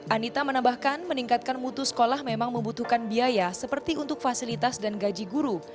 anita menambahkan meningkatkan mutu sekolah memang membutuhkan biaya seperti untuk fasilitas dan gaji guru